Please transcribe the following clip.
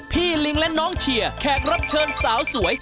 ลิงและน้องเชียร์แขกรับเชิญสาวสวย